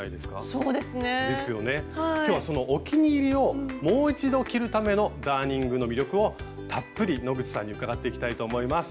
そうですね。ですよね。今日はそのお気に入りをもう一度着るためのダーニングの魅力をたっぷり野口さんに伺っていきたいと思います。